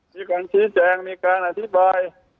มีการชี้แจงมีการอธิบาย